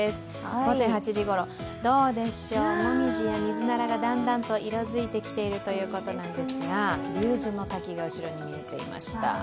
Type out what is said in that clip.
午前８時ごろもみじやミズナラがだんだんと色づいてきているんですが竜頭ノ滝が後ろに見えてました。